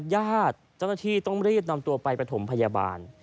ญาติเจ้าหน้าที่ต้องรีบนำตัวไปประถมพยาบาล